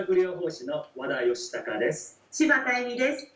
柴田恵美です。